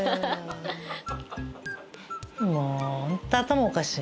もうホント頭おかしい。